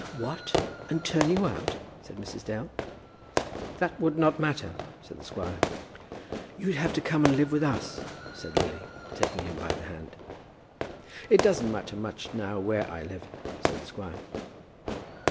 "What! and turn you out?" said Mrs. Dale. "That would not matter," said the squire. "You'd have to come and live with us," said Lily, taking him by the hand. "It doesn't matter much now where I live," said the squire.